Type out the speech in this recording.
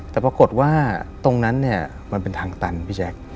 แต่ปรากฏว่าตรงนั้นเนี่ยมันเป็นทางตันพี่แจ๊ค